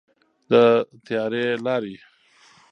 د تیارې لارې.